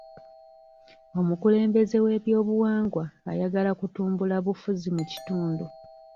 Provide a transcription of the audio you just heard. Omukulembeze w'ebyobuwangwa ayagala kutumbula bufuzi mu kitundu.